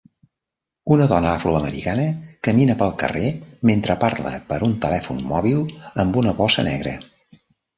Una dona afroamericana camina pel carrer mentre parla per un telèfon mòbil amb una bossa negra.